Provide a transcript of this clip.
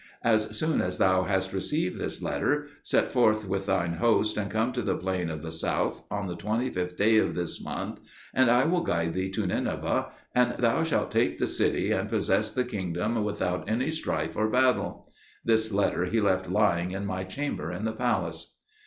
As soon as thou hast received this letter, set forth with thine host, and come to the plain of the south, on the 25th day of this month, and I will guide thee to Nineveh, and thou shalt take the city and possess the kingdom without any strife or battle." This letter he left lying in my chamber in the palace.